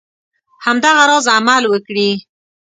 همدغه راز عمل وکړي.